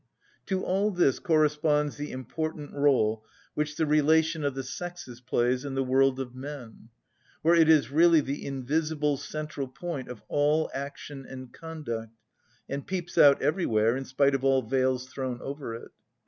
_" To all this corresponds the important rôle which the relation of the sexes plays in the world of men, where it is really the invisible central point of all action and conduct, and peeps out everywhere in spite of all veils thrown over it.